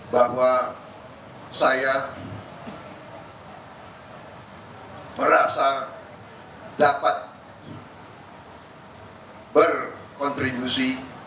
bahwa saya merasa dapat berkontribusi